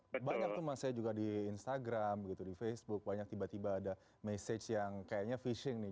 karena banyak tuh mas saya juga di instagram gitu di facebook banyak tiba tiba ada message yang kayaknya fishing nih